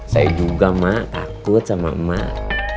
saya juga mak takut sama emak